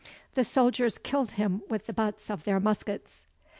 The soldiers killed him with the buts of their muskets."